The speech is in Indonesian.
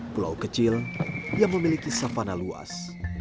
pulau kecil yang memiliki safana luas